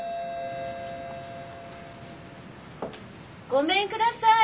ごめんください。